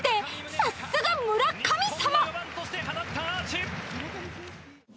さすが、村神様！